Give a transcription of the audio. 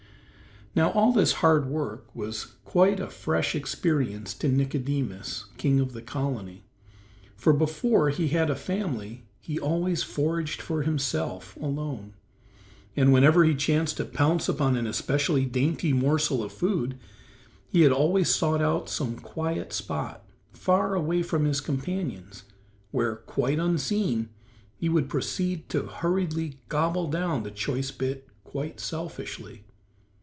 Now all this hard work was quite a fresh experience to Nicodemus, king of the colony, for before he had a family he always foraged for himself alone, and whenever he chanced to pounce upon an especially dainty morsel of food he had always sought out some quiet spot, far away from his companions, where, quite unseen, he would proceed to hurriedly gobble down the choice bit quite selfishly.